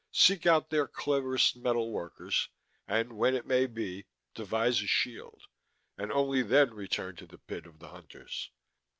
Seek out their cleverest metal workers, and when it may be, devise a shield, and only then return to the pit of the Hunters.